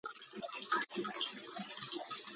Sumsel cu a thawng a thang kho ngai.